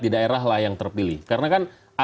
di daerah lah yang terpilih karena kan